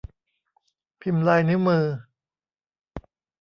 พิมพ์ลายนิ้วมือ